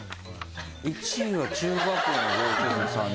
１位は中学校の同級生３人。